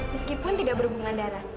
meskipun tidak berhubungan darah